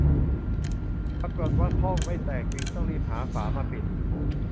ปรากฏว่าข้องไม่แตกจึงรีบหาฝามาปิด